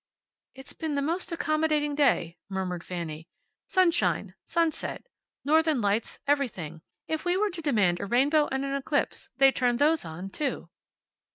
"It's been the most accommodating day," murmured Fanny. "Sunshine, sunset, northern lights, everything. If we were to demand a rainbow and an eclipse they'd turn those on, too."